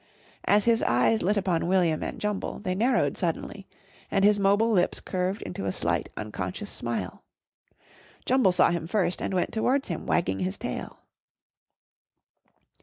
As his eyes lit upon William and Jumble they narrowed suddenly and his mobile lips curved into a slight, unconscious smile. Jumble saw him first and went towards him wagging his tail.